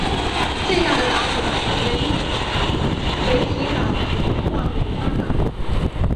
最大的岛屿为维提岛与瓦努阿岛。